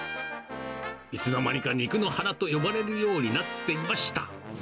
いつの間にか肉の花と呼ばれるようになっていました。